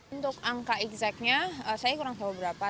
untuk angka exact nya saya kurang tahu berapa